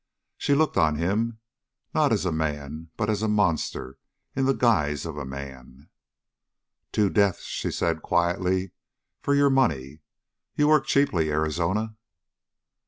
She looked on him not as a man but as a monster in the guise of a man. "Two deaths," she said quietly, "for your money. You work cheaply, Arizona."